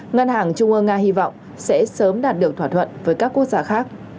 ngân hàng trung ương nga hy vọng sẽ sớm đạt được thỏa thuận với các quốc gia khác